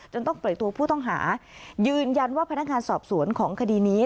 ต้องปล่อยตัวผู้ต้องหายืนยันว่าพนักงานสอบสวนของคดีนี้